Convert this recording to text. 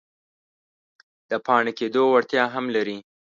د پاڼې کیدو وړتیا هم لري.